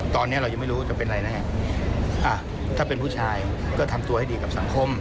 ตอนนี้เรายังไม่รู้จะเป็นอะไรแน่ถ้าเป็นผู้ชายก็ทำตัวให้ดีกับสังคม